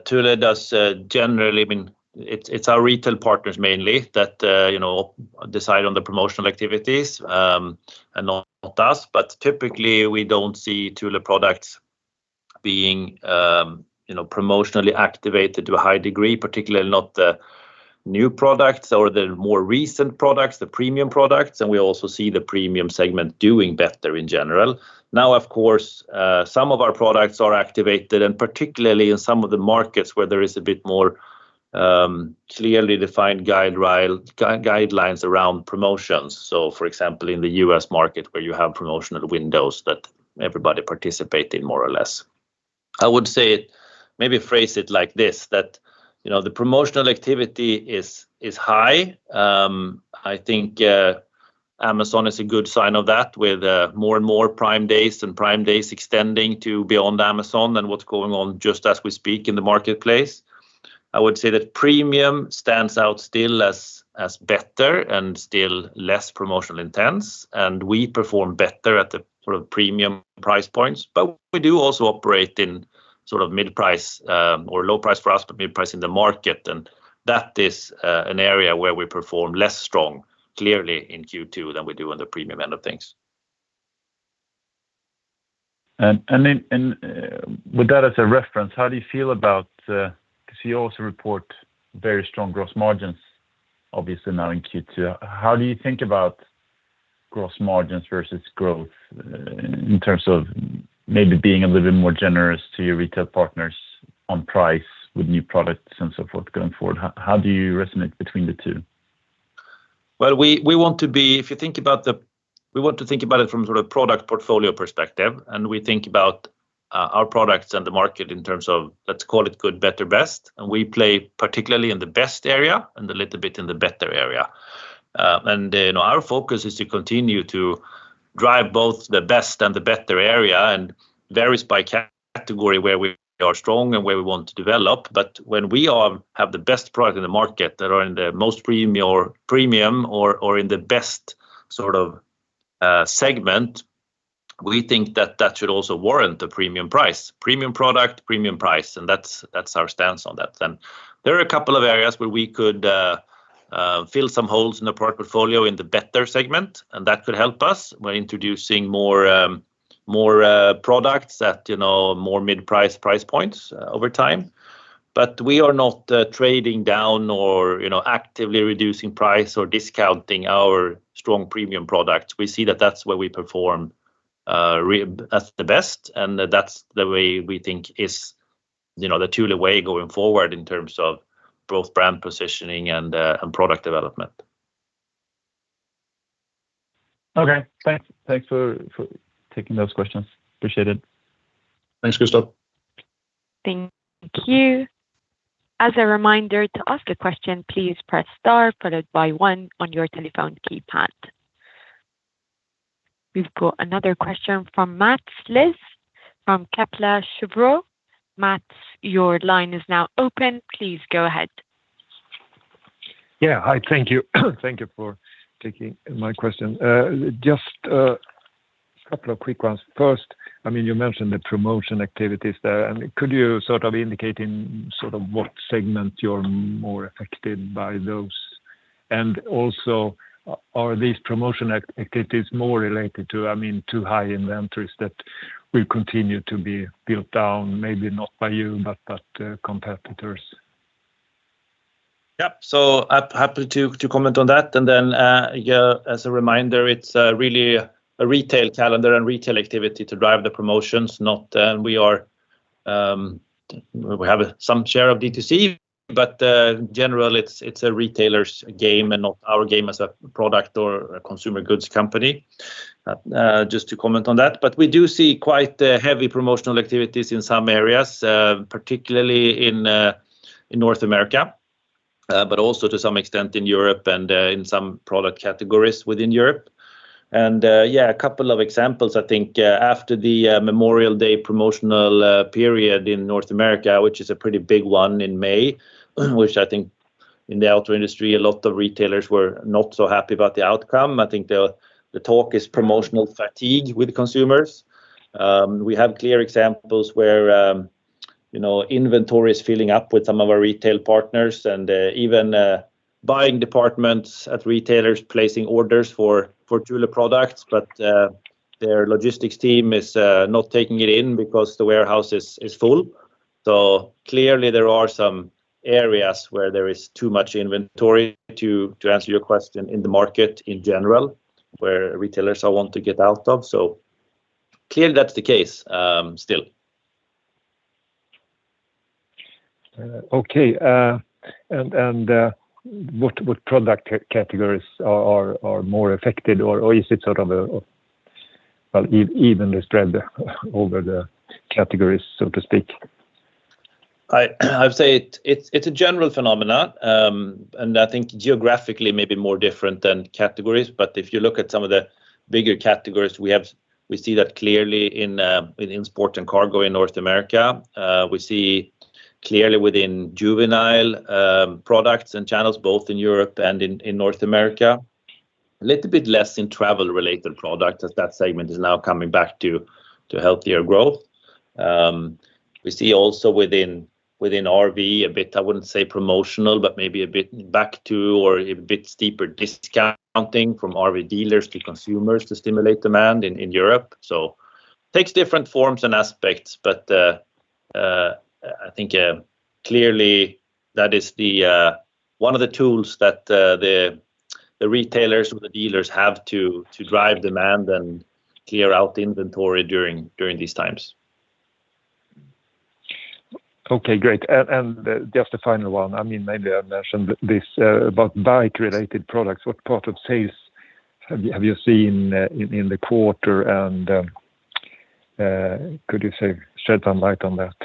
Thule does generally... I mean, it's our retail partners mainly that you know decide on the promotional activities and not us. But typically, we don't see Thule products being you know promotionally activated to a high degree, particularly not the new products or the more recent products, the premium products, and we also see the premium segment doing better in general. Now, of course, some of our products are activated, and particularly in some of the markets where there is a bit more clearly defined guidelines around promotions. So for example, in the U.S. market, where you have promotional windows that everybody participate in, more or less. I would say it, maybe phrase it like this, that, you know, the promotional activity is high. I think Amazon is a good sign of that, with more and more Prime Days and Prime Days extending to beyond Amazon than what's going on just as we speak in the marketplace. I would say that premium stands out still as better and still less promotional intense, and we perform better at the sort of premium price points, but we do also operate in sort of mid-price or low price for us, but mid-price in the market, and that is an area where we perform less strong, clearly in Q2 than we do on the premium end of things. With that as a reference, how do you feel about, because you also report very strong gross margins, obviously now in Q2, how do you think about gross margins versus growth, in terms of maybe being a little bit more generous to your retail partners on price with new products and so forth going forward? How do you resonate between the two? Well, we want to be. If you think about it from sort of product portfolio perspective, and we think about our products and the market in terms of, let's call it good, better, best, and we play particularly in the best area and a little bit in the better area. And, you know, our focus is to continue to drive both the best and the better area, and varies by category, where we are strong and where we want to develop. But when we have the best product in the market that are in the most premium or premium or, or in the best sort of segment, we think that that should also warrant a premium price. Premium product, premium price, and that's our stance on that. Then there are a couple of areas where we could fill some holes in the product portfolio in the better segment, and that could help us. We're introducing more products at, you know, more mid-price price points over time. But we are not trading down or, you know, actively reducing price or discounting our strong premium products. We see that that's where we perform at the best, and that's the way we think is, you know, the Thule way going forward in terms of both brand positioning and product development. Okay, thanks. Thanks for, for taking those questions. Appreciate it. Thanks, Christophe. Thank you. As a reminder, to ask a question, please press star followed by one on your telephone keypad. We've got another question from Mats Liss from Kepler Cheuvreux. Mats, your line is now open. Please go ahead. Yeah. Hi, thank you. Thank you for taking my question. Just, a couple of quick ones. First, I mean, you mentioned the promotion activities there, and could you sort of indicate in sort of what segment you're more affected by those? And also, are these promotion activities more related to, I mean, to high inventories that will continue to be built down, maybe not by you, but, competitors? Yeah. So I'm happy to comment on that. And then, yeah, as a reminder, it's really a retail calendar and retail activity to drive the promotions, not... We are, we have some share of D2C, but generally, it's a retailer's game and not our game as a product or a consumer goods company, just to comment on that. But we do see quite a heavy promotional activities in some areas, particularly in North America, but also to some extent in Europe and in some product categories within Europe. And yeah, a couple of examples, I think, after the Memorial Day promotional period in North America, which is a pretty big one in May, which I think in the outdoor industry, a lot of retailers were not so happy about the outcome. I think the talk is promotional fatigue with consumers. We have clear examples where, you know, inventory is filling up with some of our retail partners and even buying departments at retailers placing orders for Thule products, but their logistics team is not taking it in because the warehouse is full. So clearly there are some areas where there is too much inventory, to answer your question, in the market in general, where retailers all want to get out of. So clearly, that's the case, still. Okay. And what product categories are more affected or is it sort of, well, evenly spread over the categories, so to speak? I would say it's a general phenomenon. And I think geographically, maybe more different than categories. But if you look at some of the bigger categories, we see that clearly in sport and cargo in North America. We see clearly within juvenile products and channels, both in Europe and in North America. A little bit less in travel-related products, as that segment is now coming back to healthier growth. We see also within RV, a bit, I wouldn't say promotional, but maybe a bit back to or a bit steeper discounting from RV dealers to consumers to stimulate demand in Europe. It takes different forms and aspects, but I think clearly that is one of the tools that the retailers or the dealers have to drive demand and clear out the inventory during these times. Okay, great. And just a final one, I mean, maybe I mentioned this about bike-related products. What part of sales have you seen in the quarter? And could you say, shed some light on that?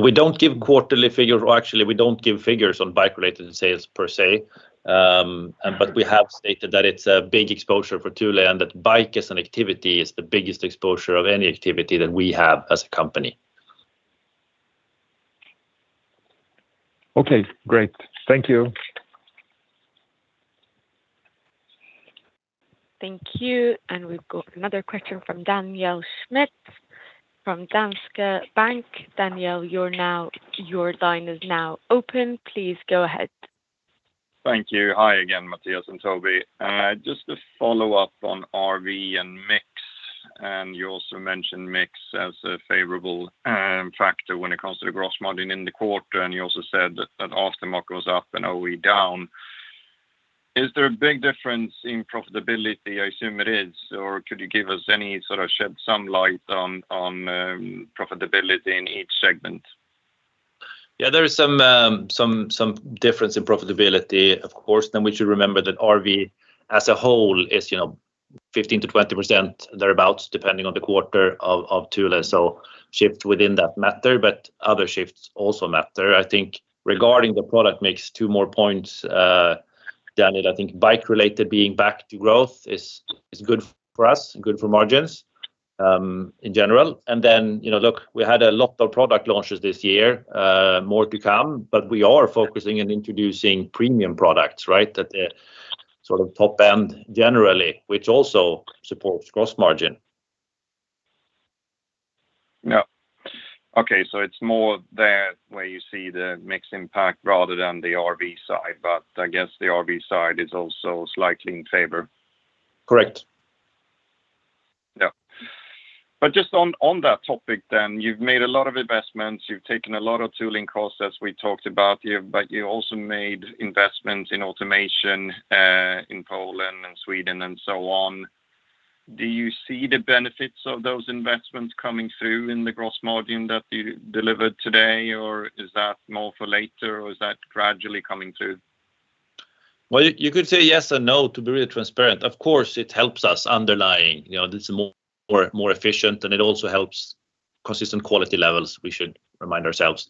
We don't give quarterly figures, or actually, we don't give figures on bike-related sales per se. But we have stated that it's a big exposure for Thule, and that bike as an activity is the biggest exposure of any activity that we have as a company. Okay, great. Thank you. Thank you. We've got another question from Daniel Schmidt from Danske Bank. Daniel, your line is now open. Please go ahead. Thank you. Hi again, Mattias and Toby. Just to follow up on RV and mix, and you also mentioned mix as a favorable factor when it comes to the gross margin in the quarter, and you also said that the aftermarket goes up and OE down. Is there a big difference in profitability? I assume it is, or could you give us any, sort of, shed some light on profitability in each segment? Yeah, there is some difference in profitability, of course. Then we should remember that RV as a whole is, you know, 15%-20%, thereabout, depending on the quarter of Thule. So shift within that matter, but other shifts also matter. I think regarding the product makes two more points, Daniel. I think bike related being back to growth is good for us and good for margins, in general. And then, you know, look, we had a lot of product launches this year, more to come, but we are focusing on introducing premium products, right? That are sort of top-end generally, which also supports gross margin.... Yeah. Okay, so it's more there where you see the mix impact rather than the RV side, but I guess the RV side is also slightly in favor? Correct. Yeah. But just on that topic then, you've made a lot of investments, you've taken a lot of tooling costs, as we talked about. But you also made investments in automation in Poland and Sweden, and so on. Do you see the benefits of those investments coming through in the gross margin that you delivered today, or is that more for later, or is that gradually coming through? Well, you could say yes and no, to be really transparent. Of course, it helps us underlying, you know, it's more efficient, and it also helps consistent quality levels, we should remind ourselves.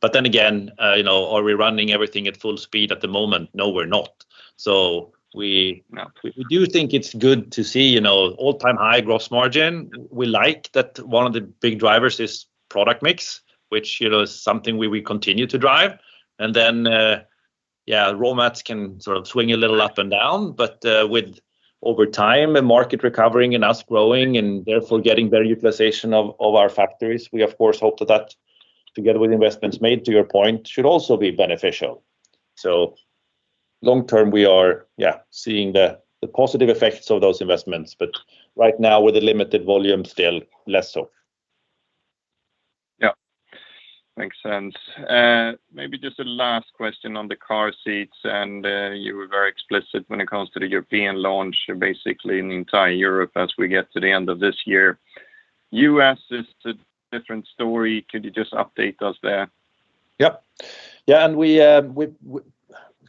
But then again, you know, are we running everything at full speed at the moment? No, we're not. So we- Yeah We do think it's good to see, you know, all-time high gross margin. We like that one of the big drivers is product mix, which, you know, is something we will continue to drive. And then, raw materials can sort of swing a little up and down, but over time, the market recovering and us growing, and therefore getting better utilization of our factories, we of course hope that, together with investments made, to your point, should also be beneficial. So, long term, we are seeing the positive effects of those investments, but right now with the limited volume, still less so. Yeah. Makes sense. Maybe just a last question on the car seats, and you were very explicit when it comes to the European launch, basically in the entire Europe as we get to the end of this year. U.S. is a different story. Could you just update us there? Yeah. Yeah, and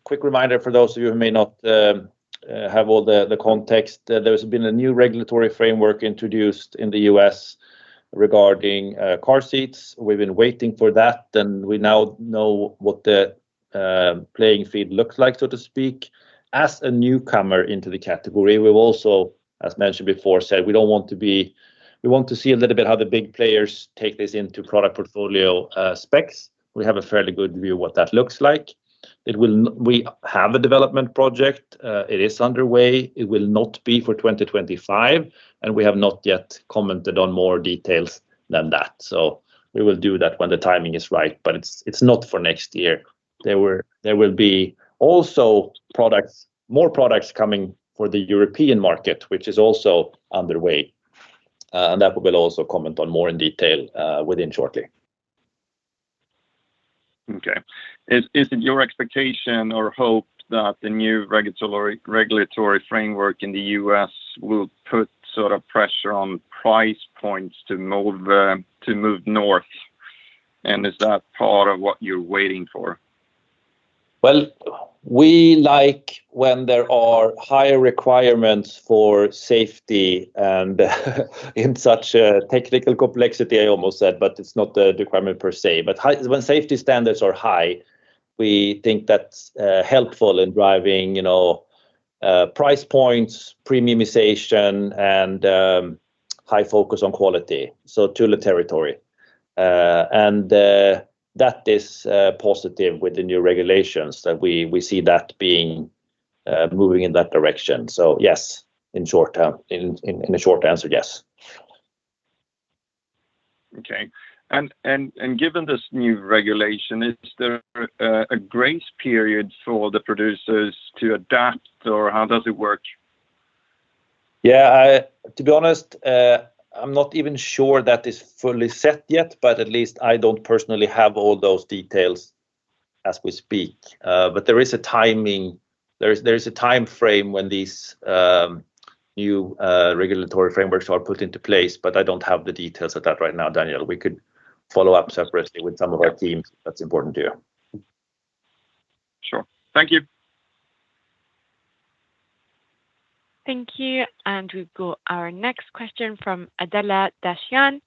quick reminder for those of you who may not have all the context, there's been a new regulatory framework introduced in the U.S. regarding car seats. We've been waiting for that, and we now know what the playing field looks like, so to speak. As a newcomer into the category, we've also, as mentioned before, said we don't want to be... We want to see a little bit how the big players take this into product portfolio specs. We have a fairly good view of what that looks like. We have a development project, it is underway. It will not be for 2025, and we have not yet commented on more details than that. So we will do that when the timing is right, but it's not for next year. There will be also products, more products coming for the European market, which is also underway, and that we will also comment on more in detail within shortly. Okay. Is it your expectation or hope that the new regulatory framework in the U.S. will put sort of pressure on price points to move north? And is that part of what you're waiting for? Well, we like when there are higher requirements for safety and in such a technical complexity, I almost said, but it's not a requirement per se. But when safety standards are high, we think that's helpful in driving, you know, price points, premiumization, and high focus on quality, so Thule territory. And that is positive with the new regulations, that we see that being moving in that direction. So yes, in short term, in a short answer, yes. Okay. And given this new regulation, is there a grace period for the producers to adapt, or how does it work? Yeah, to be honest, I'm not even sure that is fully set yet, but at least I don't personally have all those details as we speak. But there is a timing, there is a time frame when these new regulatory frameworks are put into place, but I don't have the details of that right now, Daniel. We could follow up separately with some of our teams if that's important to you. Sure. Thank you. Thank you, and we go our next question from Adela Dashian.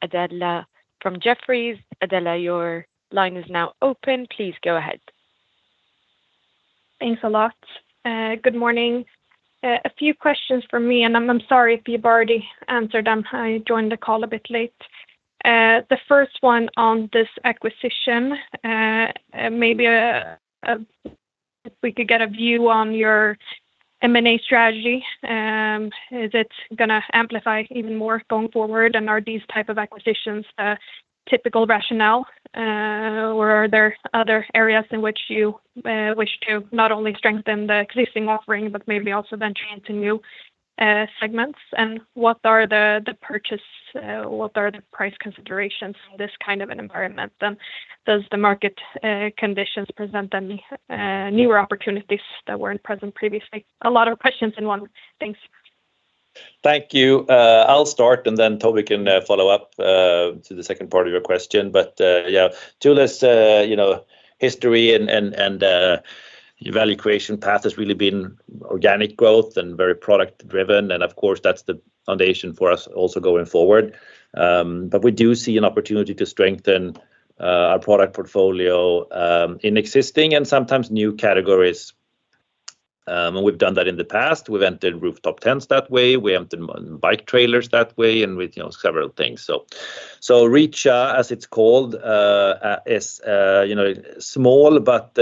Adela from Jefferies. Adela, your line is now open. Please go ahead. Thanks a lot. Good morning. A few questions from me, and I'm sorry if you've already answered them. I joined the call a bit late. The first one on this acquisition. Maybe if we could get a view on your M&A strategy, is it gonna amplify even more going forward? And are these type of acquisitions a typical rationale, or are there other areas in which you wish to not only strengthen the existing offering, but maybe also venture into new segments? And what are the, the purchase, what are the price considerations in this kind of an environment then? Does the market conditions present any newer opportunities that weren't present previously? A lot of questions in one. Thanks. Thank you. I'll start, and then Toby can follow up to the second part of your question. But yeah, Thule's you know, history and value creation path has really been organic growth and very product driven, and of course, that's the foundation for us also going forward. But we do see an opportunity to strengthen our product portfolio in existing and sometimes new categories. And we've done that in the past. We've entered rooftop tents that way, we entered bike trailers that way, and with you know, several things. So Reacha, as it's called, is you know, small, but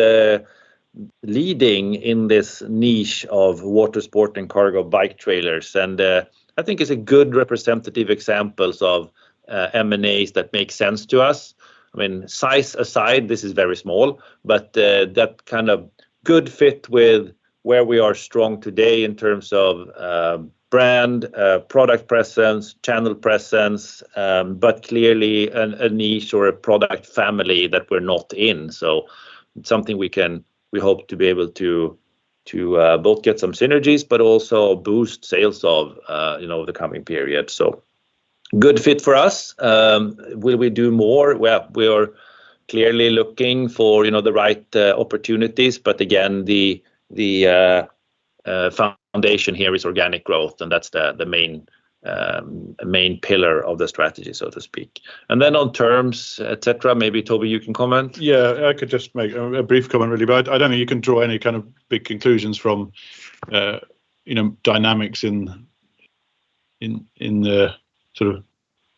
leading in this niche of water sports and cargo bike trailers. And I think it's a good representative examples of M&As that make sense to us. I mean, size aside, this is very small, but that kind of good fit with where we are strong today in terms of brand, product presence, channel presence, but clearly a niche or a product family that we're not in. So something we hope to be able to both get some synergies but also boost sales of, you know, the coming period. So good fit for us. Will we do more? Well, we are clearly looking for, you know, the right opportunities, but again, the foundation here is organic growth, and that's the main pillar of the strategy, so to speak. And then on terms, et cetera, maybe, Toby, you can comment. Yeah, I could just make a brief comment, really, but I don't think you can draw any kind of big conclusions from, you know, dynamics in the sort of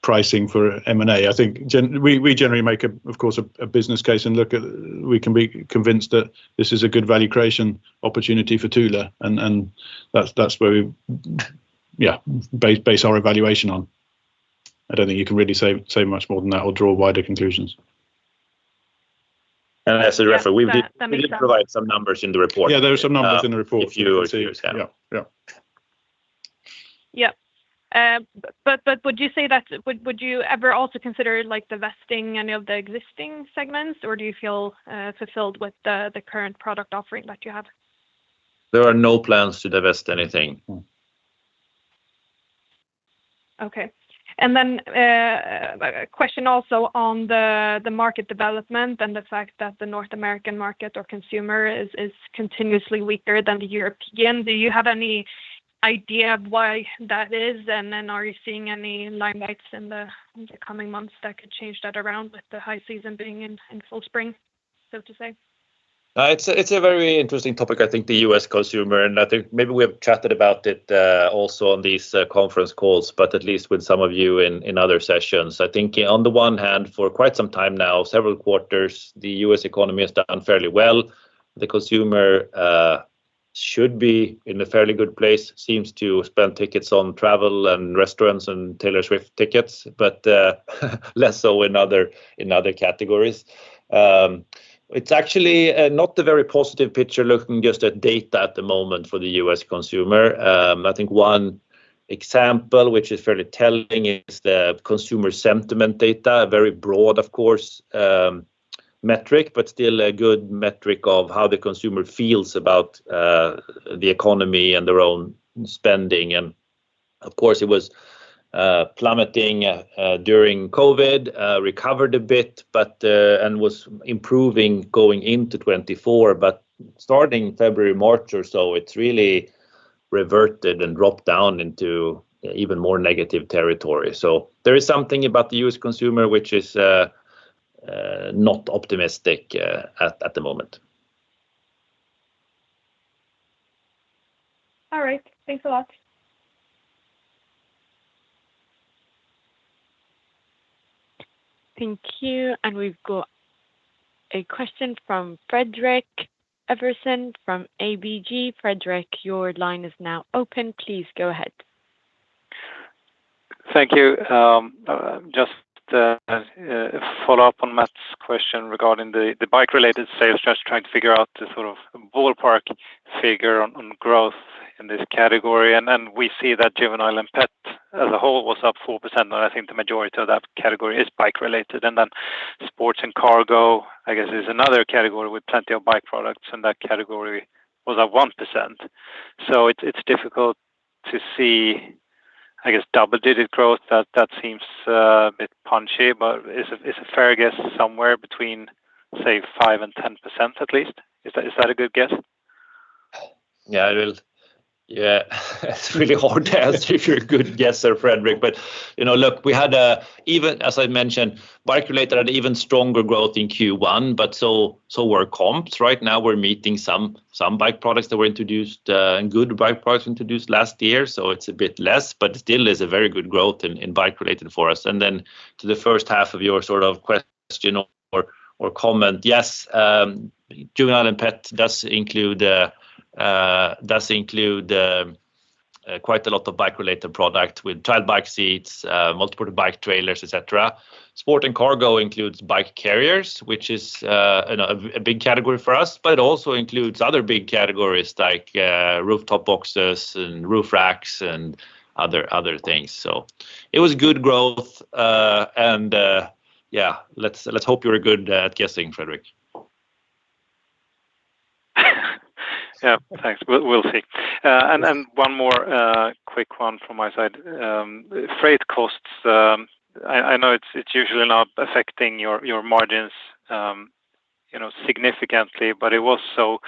pricing for M&A. I think we generally make, of course, a business case and look at... We can be convinced that this is a good value creation opportunity for Thule, and that's where we... Yeah, base our evaluation on. I don't think you can really say much more than that or draw wider conclusions. As a reference, we did- That makes sense.... we did provide some numbers in the report. Yeah, there are some numbers in the report. If you would see. Yeah. Yeah. Yeah, but would you say that you would ever also consider, like, divesting any of the existing segments, or do you feel fulfilled with the current product offering that you have? There are no plans to divest anything. Okay. And then, a question also on the market development and the fact that the North American market or consumer is continuously weaker than the European. Do you have any idea of why that is? And then are you seeing any limelight in the coming months that could change that around with the high season being in full spring, so to say? It's a very interesting topic, I think the U.S. consumer, and I think maybe we have chatted about it also on these conference calls, but at least with some of you in other sessions. I think on the one hand, for quite some time now, several quarters, the U.S. economy has done fairly well. The consumer should be in a fairly good place, seems to spend tickets on travel and restaurants and Taylor Swift tickets, but less so in other categories. It's actually not a very positive picture, looking just at data at the moment for the U.S. consumer. I think one example, which is fairly telling, is the consumer sentiment data. Very broad, of course, metric, but still a good metric of how the consumer feels about the economy and their own spending. Of course, it was plummeting during COVID, recovered a bit, but and was improving going into 2024. But starting February, March or so, it's really reverted and dropped down into even more negative territory. So there is something about the U.S. consumer, which is not optimistic at the moment. All right. Thanks a lot. Thank you. We've got a question from Fredrik Ivarsson from ABG. Fredrik, your line is now open. Please go ahead. Thank you. Just a follow-up on Matt's question regarding the bike-related sales. Just trying to figure out the sort of ballpark figure on growth in this category. And then we see that Juvenile and Pet as a whole was up 4%, and I think the majority of that category is bike related. And then Sports and Cargo, I guess, is another category with plenty of bike products, and that category was at 1%. So it's difficult to see, I guess, double-digit growth. That seems a bit punchy, but is a fair guess somewhere between, say, 5% and 10% at least? Is that a good guess? Yeah, it will. Yeah, it's really hard to answer if you're a good guesser, Fredrik. But, you know, look, we had Even as I mentioned, bike related had even stronger growth in Q1, but so were comps. Right now, we're meeting some bike products that were introduced, and good bike products introduced last year, so it's a bit less, but still is a very good growth in bike related for us. And then to the first half of your sort of question or comment, yes, Juvenile and Pet does include quite a lot of bike-related product with child bike seats, multiple bike trailers, et cetera. Sport and Cargo includes bike carriers, which is, you know, a big category for us, but it also includes other big categories like, rooftop boxes and roof racks and other things. So it was good growth, and, yeah, let's hope you're good at guessing, Fredrik. Yeah, thanks. We'll, we'll see. And one more quick one from my side. Freight costs, I know it's usually not affecting your margins, you know, significantly, but it was so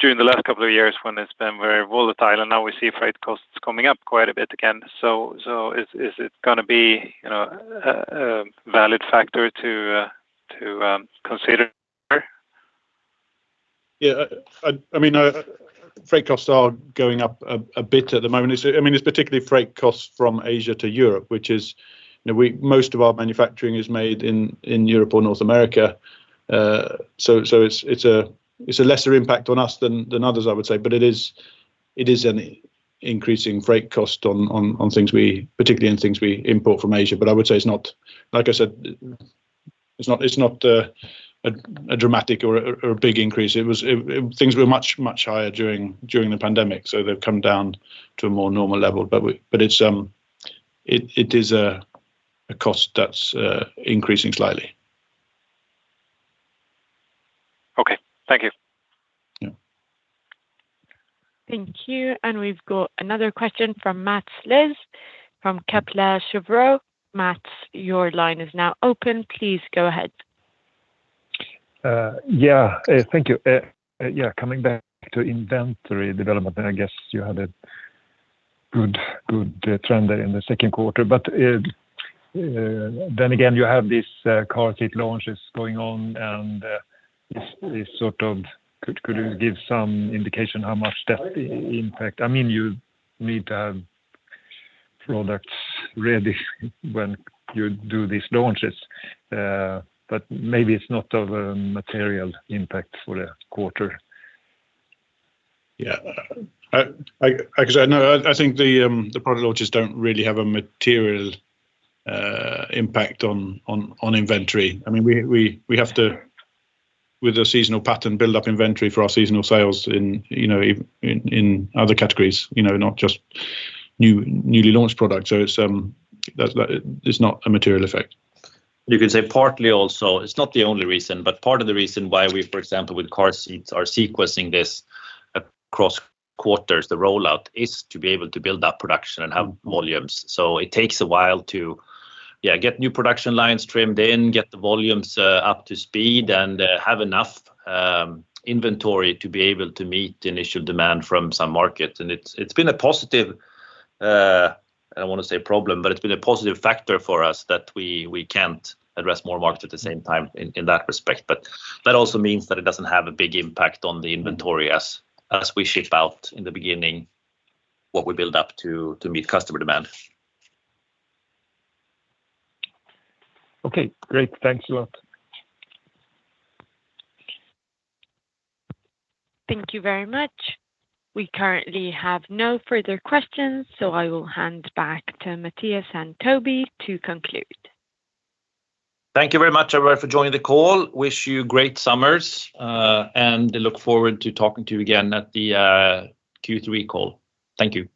during the last couple of years when it's been very volatile, and now we see freight costs coming up quite a bit again. So is it gonna be, you know, a valid factor to consider? Yeah, I mean, freight costs are going up a bit at the moment. It's, I mean, it's particularly freight costs from Asia to Europe, which is, you know, most of our manufacturing is made in Europe or North America. So, it's a lesser impact on us than others, I would say. But it is an increasing freight cost on things we—particularly on things we import from Asia. But I would say it's not... Like I said, it's not a dramatic or a big increase. It was, things were much higher during the pandemic, so they've come down to a more normal level. But it's a cost that's increasing slightly. Okay. Thank you. Yeah. Thank you. And we've got another question from Mats Liss from Kepler Cheuvreux. Mats, your line is now open. Please go ahead. Yeah. Thank you. Yeah, coming back to inventory development, and I guess you had a good, good, trend there in the second quarter, but, then again, you have these car seat launches going on, and, this is sort of - could you give some indication how much that impact? I mean, you need to have products ready when you do these launches, but maybe it's not of a material impact for the quarter. Yeah. 'Cause I know I think the product launches don't really have a material impact on inventory. I mean, we have to, with the seasonal pattern, build up inventory for our seasonal sales in, you know, in other categories, you know, not just newly launched products. So it's that. It's not a material effect. You could say partly also, it's not the only reason, but part of the reason why we, for example, with car seats, are sequencing this across quarters, the rollout, is to be able to build up production and have volumes. So it takes a while to, yeah, get new production lines trimmed in, get the volumes up to speed, and have enough inventory to be able to meet the initial demand from some markets. And it's been a positive, I don't want to say problem, but it's been a positive factor for us that we can't address more markets at the same time in that respect. But that also means that it doesn't have a big impact on the inventory as we ship out in the beginning, what we build up to meet customer demand. Okay, great. Thanks a lot. Thank you very much. We currently have no further questions, so I will hand back to Mattias and Toby to conclude. Thank you very much, everyone, for joining the call. Wish you great summers, and look forward to talking to you again at the Q3 call. Thank you.